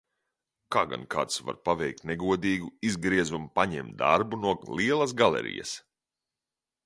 "Kā gan kāds var paveikt negodīgu "izgriez un paņem" darbu no lielas galerijas?"